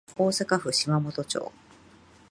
大阪府島本町